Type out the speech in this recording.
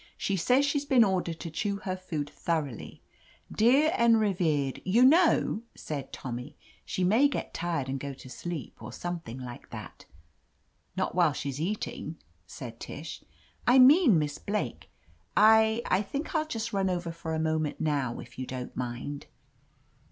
"She says she's been ordered to chew her food thor oughly. 'Dear and revered —'" "You know," said Tommy, "she may get tired and go to sleep, or something like that." Not while she's eating,'^ said Tish. I mean Miss Blake. I — I think I'll just run over for a moment now, if you don't mind."